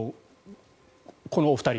このお二人。